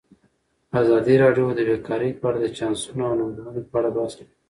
ازادي راډیو د بیکاري په اړه د چانسونو او ننګونو په اړه بحث کړی.